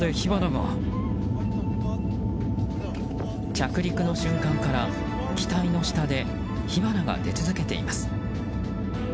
着陸の瞬間から機体の下で火花が出続けています。